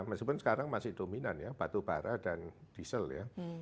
meskipun sekarang masih dominan ya batubara dan diesel ya